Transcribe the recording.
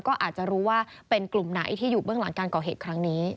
ก็อาจจะรู้ว่าเป็นกลุ่มไหนที่อยู่เบื้องหลังการก่อเหตุครั้งนี้